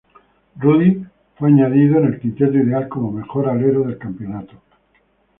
Rudy fue añadido en el Quinteto Ideal como mejor alero del campeonato.